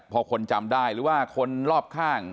พอคนจำได้หรือว่าคนรอบข้าง